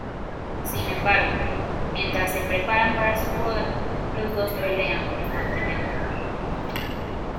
Sin embargo, mientras se preparan para su boda, los dos pelean constantemente.